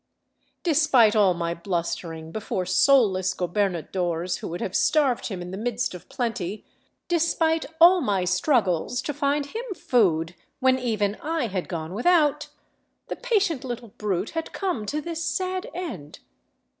Despite all my blustering before soulless gobernadores who would have starved him in the midst of plenty, despite all my struggles to find him food when even I had gone without, the patient little brute had come to this sad end.